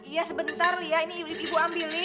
iya sebentar lia ini ibu ambilin